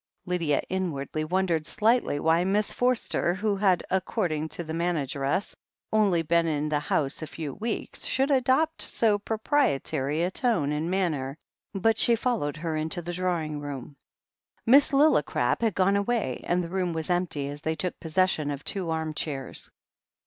Lydia inwardly wondered slightly why Miss Forster, who had, according to the manageress, only been in the house a few weeks, should adopt so proprietary a THE HEEL OF ACHILLES 115 tone and manner, but she followed her into the draw ing room. Miss Lillicrap had gone away, and the room was empty, as they took possession of two arm chairs.